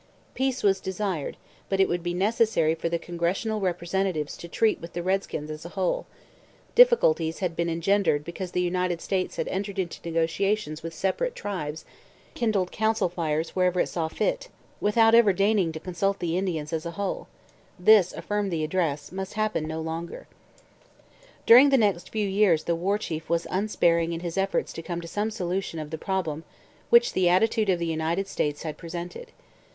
Peace was desired, but it would be necessary for the Congressional representatives to treat with the redskins as a whole; difficulties had been engendered because the United States had entered into negotiations with separate tribes 'kindled council fires wherever it saw fit' without ever deigning to consult the Indians as a whole; this, affirmed the address, must happen no longer. During the next few years the War Chief was unsparing in his efforts to come to some solution of the problem which the attitude of the United States had presented.